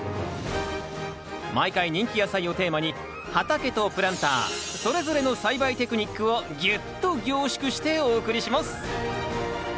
毎回人気野菜をテーマに畑とプランターそれぞれの栽培テクニックをギュッと凝縮してお送りします。